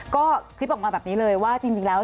ก็คลิปออกมาแบบนี้เลยว่าจริงแล้ว